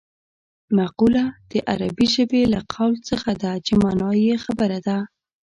مقوله د عربي ژبې له قول څخه ده چې مانا یې خبره ده